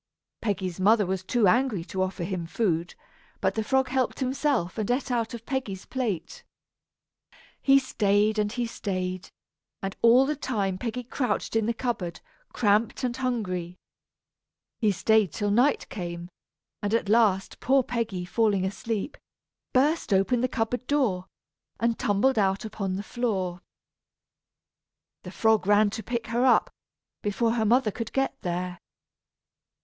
Peggy's mother was too angry to offer him food, but the frog helped himself and ate out of Peggy's plate. He stayed and he stayed, and all the time Peggy crouched in the cupboard, cramped and hungry. He stayed till night came; and at last poor Peggy, falling asleep, burst open the cupboard door, and tumbled out upon the floor. The frog ran to pick her up, before her mother could get there.